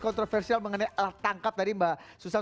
kontroversial mengenai tangkap tadi mbak susah